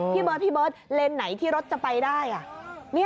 พี่เบิร์ดพี่เบิร์ตเลนส์ไหนที่รถจะไปได้